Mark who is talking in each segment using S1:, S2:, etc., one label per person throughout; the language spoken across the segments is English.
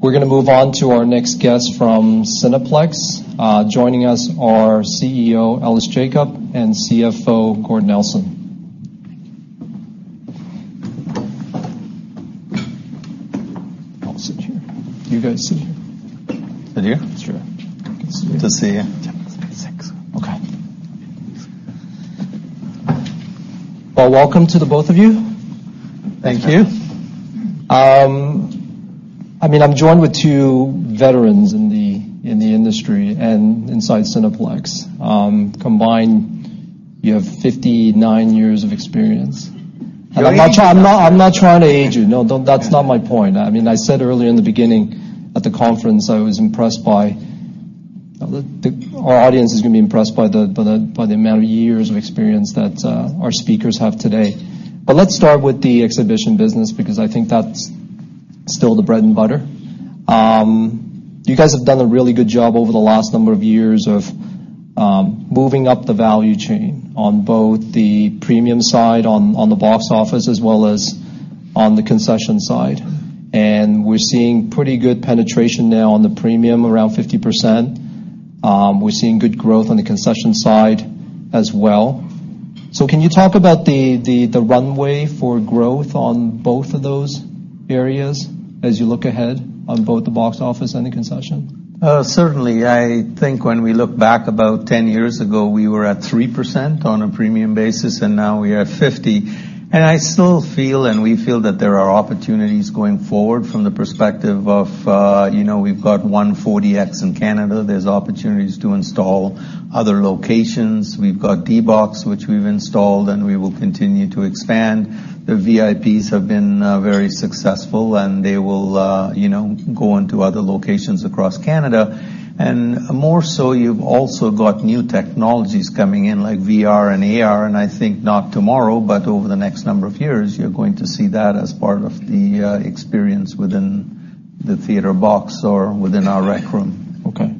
S1: We're going to move on to our next guest from Cineplex. Joining us are CEO Ellis Jacob and CFO Gord Nelson. I'll sit here. You guys sit here.
S2: Sit here?
S3: Sure.
S2: Good to see you.
S1: Six. Okay. Well, welcome to the both of you.
S2: Thank you.
S3: Thank you.
S1: I'm joined with two veterans in the industry and inside Cineplex. Combined, you have 59 years of experience.
S2: You're aging us.
S1: I'm not trying to age you. No, that's not my point. Our audience is going to be impressed by the amount of years of experience that our speakers have today. Let's start with the exhibition business, because I think that's still the bread and butter. You guys have done a really good job over the last number of years of moving up the value chain on both the premium side, on the box office, as well as on the concession side. We're seeing pretty good penetration now on the premium, around 50%. We're seeing good growth on the concession side as well. Can you talk about the runway for growth on both of those areas as you look ahead on both the box office and the concession?
S2: Certainly. I think when we look back about 10 years ago, we were at 3% on a premium basis, and now we are at 50%. I still feel, and we feel, that there are opportunities going forward from the perspective of we've got 1 4DX in Canada. There's opportunities to install other locations. We've got D-BOX, which we've installed, and we will continue to expand. The VIPs have been very successful, and they will go into other locations across Canada. More so, you've also got new technologies coming in, like VR and AR, and I think not tomorrow, but over the next number of years, you're going to see that as part of the experience within the theater box or within our Rec Room.
S1: Okay.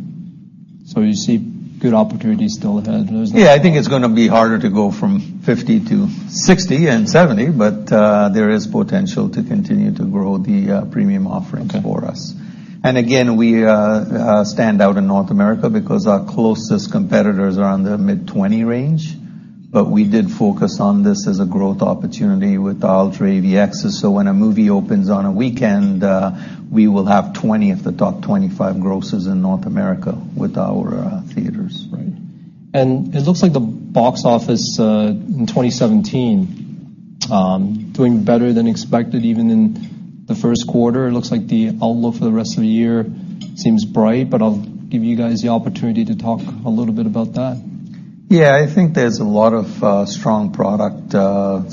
S1: You see good opportunities still ahead in those.
S2: Yeah, I think it's going to be harder to go from 50% to 60% and 70%, there is potential to continue to grow the premium offerings for us.
S1: Okay.
S2: Again, we stand out in North America because our closest competitors are in the mid-20 range. We did focus on this as a growth opportunity with the UltraAVX, so when a movie opens on a weekend, we will have 20 of the top 25 grossers in North America with our theaters.
S1: Right. It looks like the box office in 2017, doing better than expected even in the first quarter. It looks like the outlook for the rest of the year seems bright, I'll give you guys the opportunity to talk a little bit about that.
S2: Yeah, I think there's a lot of strong product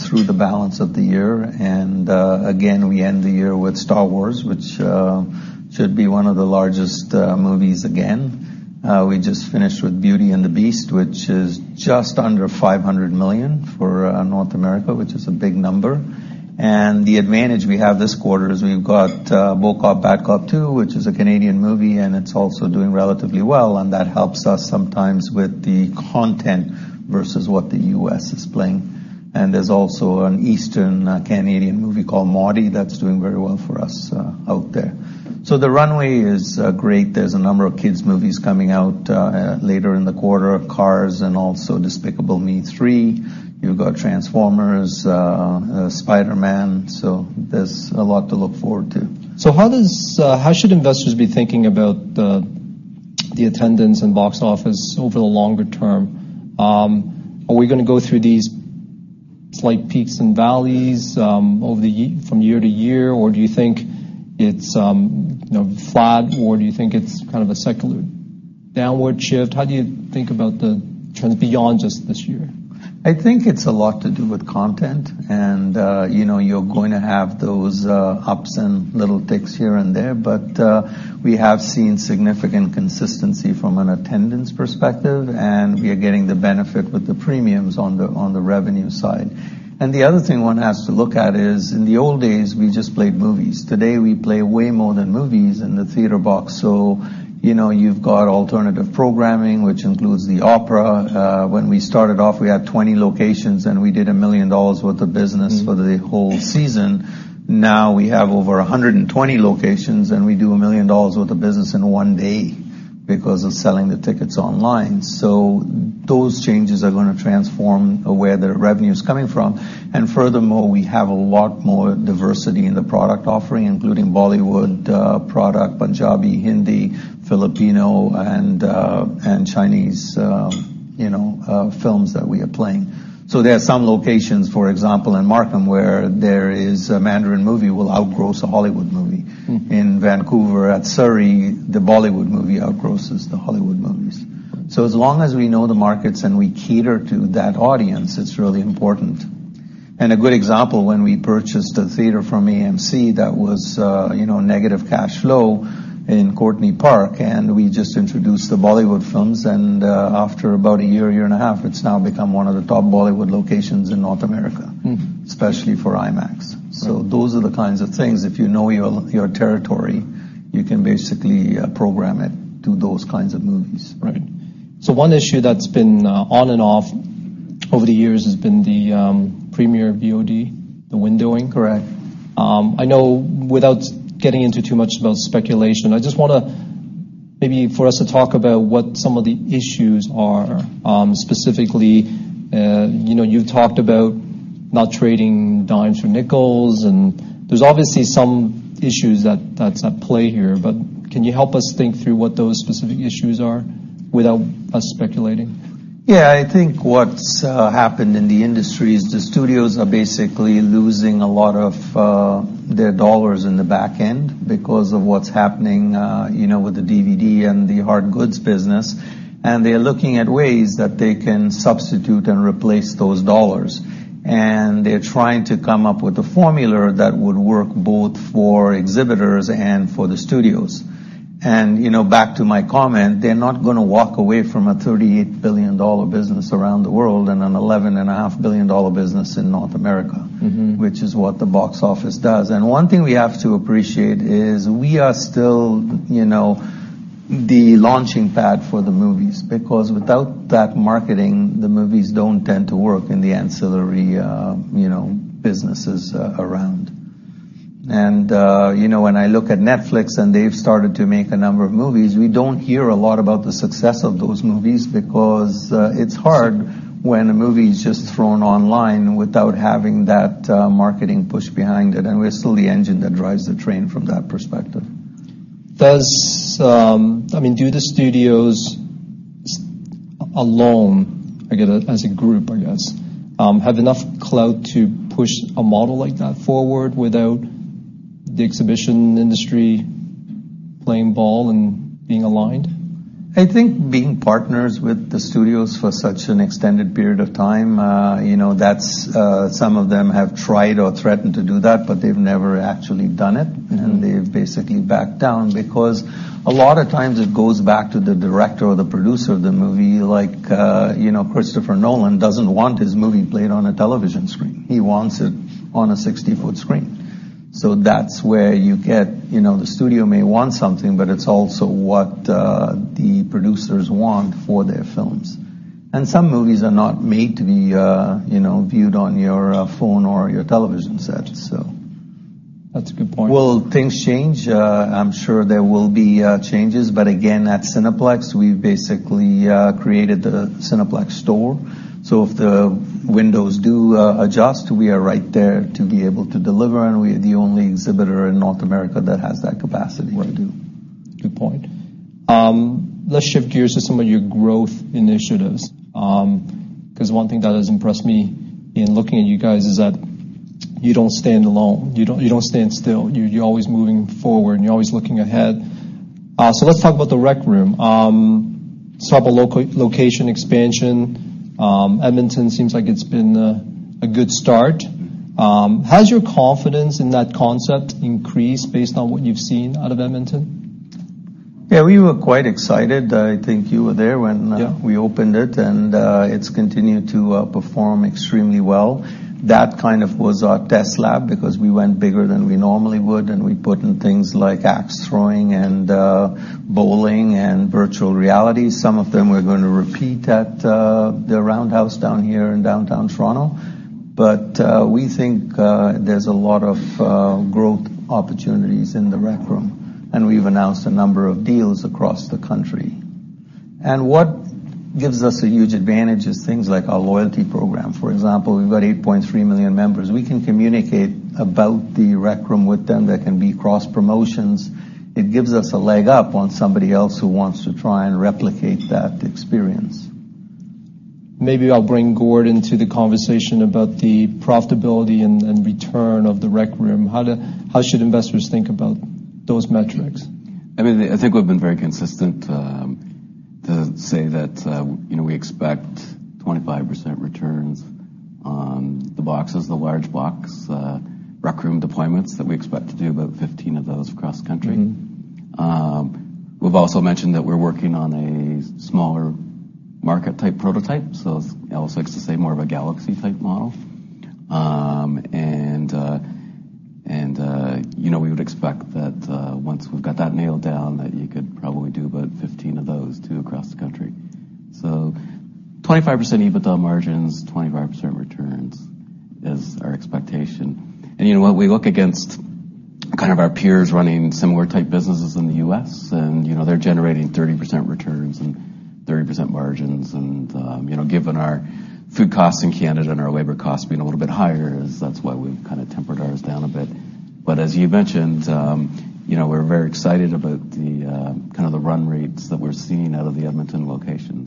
S2: through the balance of the year. Again, we end the year with "Star Wars," which should be one of the largest movies again. We just finished with "Beauty and the Beast," which is just under 500 million for North America, which is a big number. The advantage we have this quarter is we've got "Bon Cop, Bad Cop 2," which is a Canadian movie, it's also doing relatively well, and that helps us sometimes with the content versus what the U.S. is playing. There's also an Eastern Canadian movie called "Maudie" that's doing very well for us out there. The runway is great. There's a number of kids movies coming out later in the quarter, "Cars" and also "Despicable Me 3." You've got "Transformers," "Spider-Man," there's a lot to look forward to.
S1: How should investors be thinking about the attendance and box office over the longer term? Are we going to go through these slight peaks and valleys from year to year, or do you think it's flat, or do you think it's kind of a downward shift? How do you think about the trends beyond just this year?
S2: I think it's a lot to do with content. You're going to have those ups and little ticks here and there, but we have seen significant consistency from an attendance perspective. We are getting the benefit with the premiums on the revenue side. The other thing one has to look at is, in the old days, we just played movies. Today, we play way more than movies in the theater box. You've got alternative programming, which includes the opera. When we started off, we had 20 locations, and we did 1 million dollars worth of business for the whole season. Now we have over 120 locations, and we do 1 million dollars worth of business in one day because of selling the tickets online. Those changes are going to transform where the revenue's coming from. Furthermore, we have a lot more diversity in the product offering, including Bollywood product, Punjabi, Hindi, Filipino, and Chinese films that we are playing. There are some locations, for example, in Markham, where there is a Mandarin movie will out-gross a Hollywood movie. In Vancouver at Surrey, the Bollywood movie out-grosses the Hollywood movies. As long as we know the markets and we cater to that audience, it's really important. A good example, when we purchased a theater from AMC that was negative cash flow in Courtney Park, and we just introduced the Bollywood films, and after about a year and a half, it's now become one of the top Bollywood locations in North America, especially for IMAX. Those are the kinds of things. If you know your territory, you can basically program it to those kinds of movies.
S1: Right. One issue that's been on and off over the years has been the premiere VOD, the windowing.
S2: Correct.
S1: I know without getting into too much about speculation, I just want to maybe for us to talk about what some of the issues are. Specifically, you've talked about not trading dimes for nickels, and there's obviously some issues that's at play here, but can you help us think through what those specific issues are without us speculating?
S2: Yeah. I think what's happened in the industry is the studios are basically losing a lot of their dollars in the back end because of what's happening with the DVD and the hard goods business. They're looking at ways that they can substitute and replace those dollars. They're trying to come up with a formula that would work both for exhibitors and for the studios. Back to my comment, they're not going to walk away from a 38 billion dollar business around the world and a 11.5 billion dollar business in North America. which is what the box office does. One thing we have to appreciate is we are still the launching pad for the movies, because without that marketing, the movies don't tend to work in the ancillary businesses around. When I look at Netflix and they've started to make a number of movies, we don't hear a lot about the success of those movies because it's hard when a movie's just thrown online without having that marketing push behind it. We're still the engine that drives the train from that perspective.
S1: Do the studios alone, as a group, I guess, have enough clout to push a model like that forward without the exhibition industry playing ball and being aligned?
S2: I think being partners with the studios for such an extended period of time, some of them have tried or threatened to do that, but they've never actually done it. They've basically backed down because a lot of times it goes back to the director or the producer of the movie. Christopher Nolan doesn't want his movie played on a television screen. He wants it on a 60-foot screen. That's where the studio may want something, but it's also what the producers want for their films. Some movies are not made to be viewed on your phone or your television set.
S1: That's a good point.
S2: Will things change? I'm sure there will be changes, but again, at Cineplex, we've basically created the Cineplex Store. If the windows do adjust, we are right there to be able to deliver, and we're the only exhibitor in North America that has that capacity to.
S1: Right. Good point. Let's shift gears to some of your growth initiatives. One thing that has impressed me in looking at you guys is that you don't stand alone. You don't stand still. You're always moving forward, and you're always looking ahead. Let's talk about The Rec Room. Saw the location expansion. Edmonton seems like it's been a good start. Has your confidence in that concept increased based on what you've seen out of Edmonton?
S2: Yeah, we were quite excited. I think you were there.
S1: Yeah
S2: we opened it. It's continued to perform extremely well. That was our test lab because we went bigger than we normally would, and we put in things like axe throwing and bowling and virtual reality. Some of them we're going to repeat at the Roundhouse down here in downtown Toronto. We think there's a lot of growth opportunities in The Rec Room, and we've announced a number of deals across the country. What gives us a huge advantage is things like our loyalty program. For example, we've got 8.3 million members. We can communicate about The Rec Room with them. There can be cross promotions. It gives us a leg up on somebody else who wants to try and replicate that experience.
S1: Maybe I'll bring Gord into the conversation about the profitability and return of The Rec Room. How should investors think about those metrics?
S3: I think we've been very consistent to say that we expect 25% returns on the boxes, the large box Rec Room deployments that we expect to do about 15 of those across the country. We've also mentioned that we're working on a smaller market-type prototype, Ellis likes to say more of a Galaxy-type model. We would expect that once we've got that nailed down, that you could probably do about 15 of those, too, across the country. 25% EBITDA margins, 25% returns is our expectation. When we look against our peers running similar type businesses in the U.S., they're generating 30% returns and 30% margins and given our food costs in Canada and our labor costs being a little bit higher is that's why we've tempered ours down a bit. As you mentioned, we're very excited about the run rates that we're seeing out of the Edmonton location.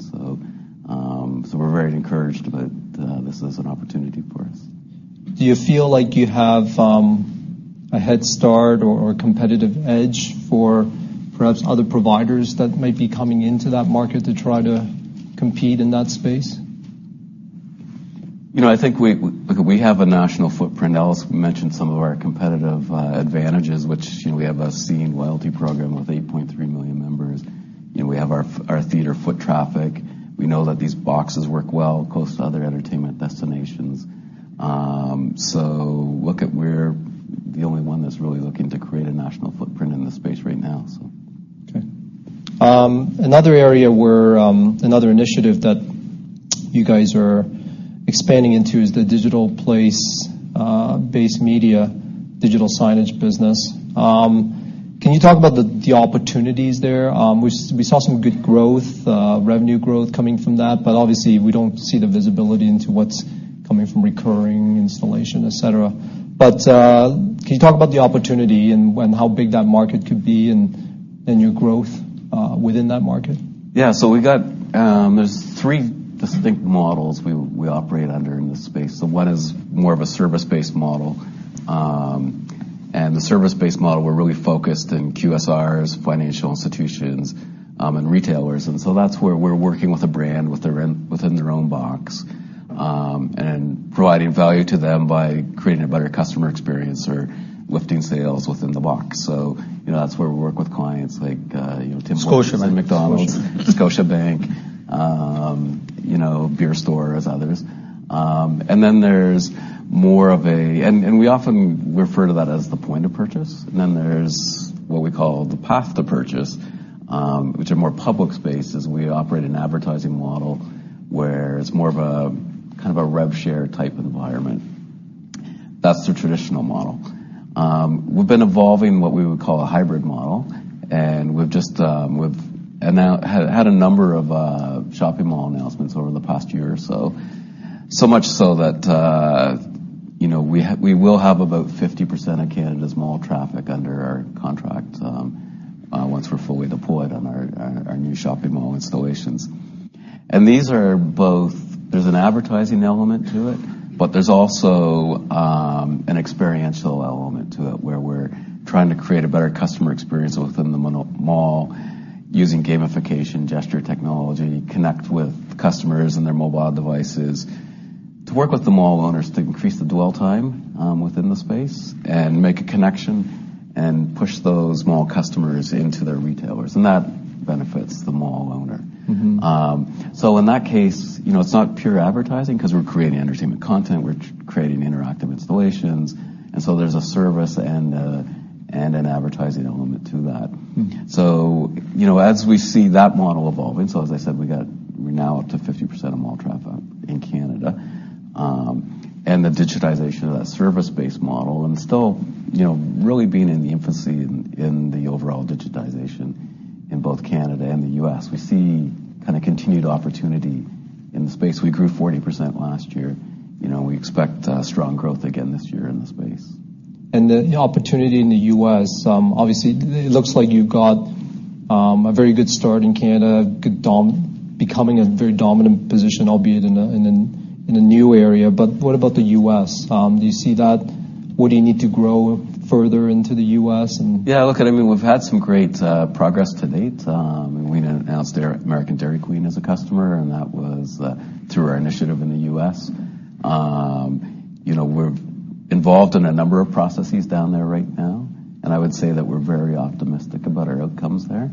S3: We're very encouraged that this is an opportunity for us.
S1: Do you feel like you have a head start or a competitive edge for perhaps other providers that might be coming into that market to try to compete in that space?
S3: I think we have a national footprint. Ellis mentioned some of our competitive advantages, which we have a Scene loyalty program with 8.3 million members. We have our theater foot traffic. We know that these boxes work well close to other entertainment destinations. Look at we're the only one that's really looking to create a national footprint in this space right now.
S1: Another initiative that you guys are expanding into is the digital place-based media, digital signage business. Can you talk about the opportunities there? We saw some good revenue growth coming from that, but obviously, we don't see the visibility into what's coming from recurring installation, et cetera. Can you talk about the opportunity and how big that market could be and your growth within that market?
S3: Yeah. There's three distinct models we operate under in this space. One is more of a service-based model. The service-based model, we're really focused in QSRs, financial institutions, and retailers. That's where we're working with a brand within their own box, and providing value to them by creating a better customer experience or lifting sales within the box. That's where we work with clients like Tim Hortons.
S1: Scotiabank
S3: McDonald's, Scotiabank, The Beer Store, as others. We often refer to that as the point of purchase. There's what we call the path to purchase, which are more public spaces. We operate an advertising model where it's more of a kind of a rev share type environment. That's the traditional model. We've been evolving what we would call a hybrid model, and we've had a number of shopping mall announcements over the past year or so. We will have about 50% of Canada's mall traffic under our contract once we're fully deployed on our new shopping mall installations. There's an advertising element to it, but there's also an experiential element to it where we're trying to create a better customer experience within the mall using gamification, gesture technology, connect with customers and their mobile devices to work with the mall owners to increase the dwell time within the space and make a connection and push those mall customers into their retailers. That benefits the mall owner. In that case, it's not pure advertising because we're creating entertainment content, we're creating interactive installations, and so there's a service and an advertising element to that. As we see that model evolving, as I said, we're now up to 50% of mall traffic in Canada. The digitization of that service-based model, and still really being in the infancy in the overall digitization in both Canada and the U.S., we see kind of continued opportunity in the space. We grew 40% last year. We expect strong growth again this year in the space.
S1: The opportunity in the U.S., obviously, it looks like you got a very good start in Canada, becoming a very dominant position, albeit in a new area. What about the U.S.? Do you see that? Would you need to grow further into the U.S.?
S3: I mean, we've had some great progress to date. We announced American Dairy Queen as a customer, and that was through our initiative in the U.S. We're involved in a number of processes down there right now, and I would say that we're very optimistic about our outcomes there.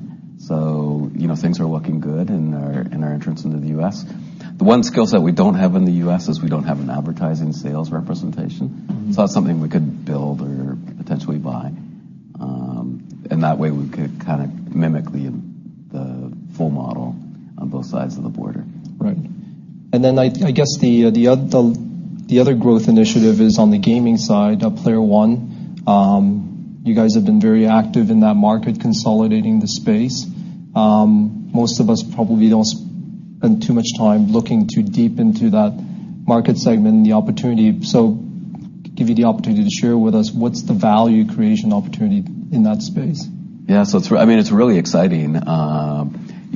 S3: Things are looking good in our entrance into the U.S. The one skill set we don't have in the U.S. is we don't have an advertising sales representation. That's something we could build or potentially buy. In that way, we could kind of mimic the full model on both sides of the border.
S1: Right. I guess the other growth initiative is on the gaming side of Player One. You guys have been very active in that market, consolidating the space. Most of us probably don't spend too much time looking too deep into that market segment and the opportunity. Give you the opportunity to share with us what's the value creation opportunity in that space?
S3: I mean, it's really exciting.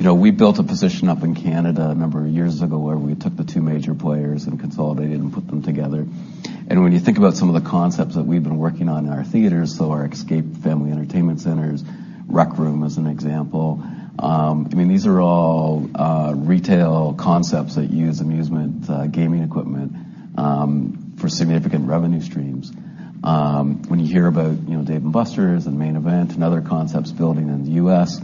S3: We built a position up in Canada a number of years ago where we took the two major players and consolidated and put them together. When you think about some of the concepts that we've been working on in our theaters, so our XSCAPE family entertainment centers, Rec Room as an example, I mean, these are all retail concepts that use amusement gaming equipment for significant revenue streams. When you hear about Dave & Buster's and Main Event and other concepts building in the U.S.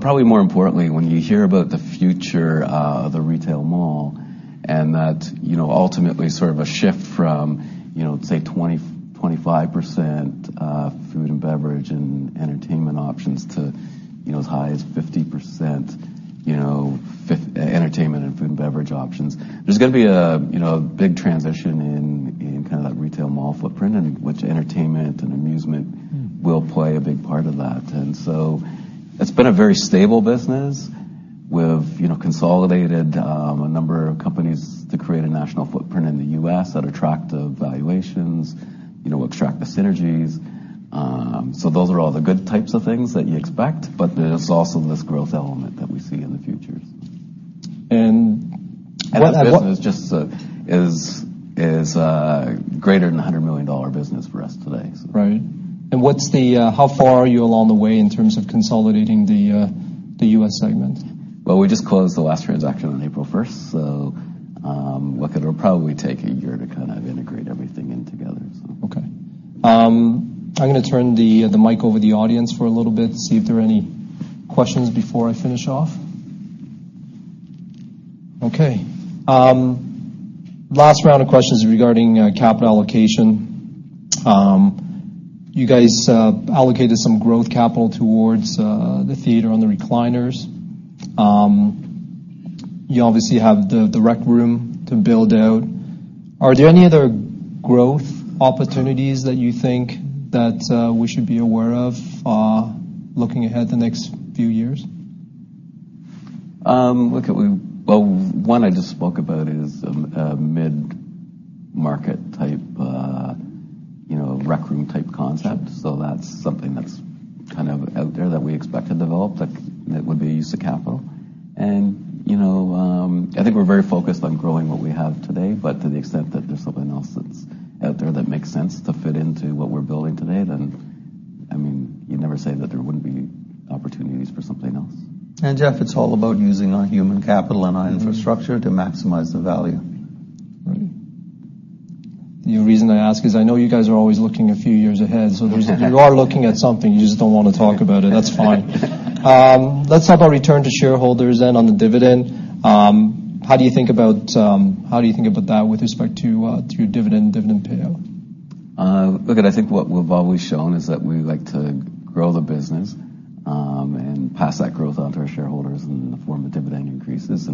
S3: Probably more importantly, when you hear about the future of the retail mall and that ultimately sort of a shift from, say, 25% food and beverage and entertainment options to as high as 50% entertainment and food and beverage options, there's going to be a big transition in kind of that retail mall footprint in which entertainment and amusement will play a big part of that. It's been a very stable business. We've consolidated a number of companies to create a national footprint in the U.S. at attractive valuations, extract the synergies. Those are all the good types of things that you expect, there's also this growth element that we see in the future.
S1: What
S3: That business is greater than 100 million dollar business for us today.
S1: Right. How far are you along the way in terms of consolidating the U.S. segment?
S3: Well, we just closed the last transaction on April 1st, so look, it'll probably take a year to kind of integrate everything in together.
S1: Okay. I'm going to turn the mic over to the audience for a little bit to see if there are any questions before I finish off. Okay. Last round of questions regarding capital allocation. You guys allocated some growth capital towards the theater on the recliners. You obviously have The Rec Room to build out. Are there any other growth opportunities that you think that we should be aware of looking ahead the next few years?
S3: Well, one I just spoke about is a mid-market type, rec room type concept. That's something that's kind of out there that we expect to develop, that would be use of capital. I think we're very focused on growing what we have today, but to the extent that there's something else that's out there that makes sense to fit into what we're building today, then, you'd never say that there wouldn't be opportunities for something else.
S2: Jeff, it's all about using our human capital and our infrastructure to maximize the value.
S1: Right. The reason I ask is I know you guys are always looking a few years ahead. You are looking at something, you just don't want to talk about it. That's fine. Let's talk about return to shareholders then on the dividend. How do you think about that with respect to your dividend payout?
S3: Look, I think what we've always shown is that we like to grow the business, and pass that growth on to our shareholders in the form of dividend increases.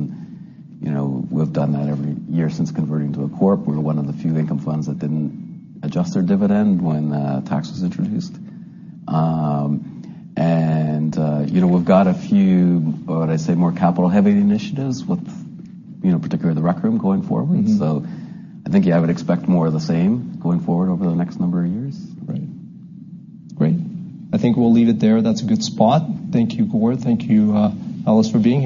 S3: We've done that every year since converting to a corp. We're one of the few income funds that didn't adjust their dividend when tax was introduced. We've got a few, what I'd say more capital-heavy initiatives with, particularly The Rec Room going forward. I think, yeah, I would expect more of the same going forward over the next number of years.
S2: Right.
S1: Great. I think we'll leave it there. That's a good spot. Thank you, Gord. Thank you, Ellis, for being here.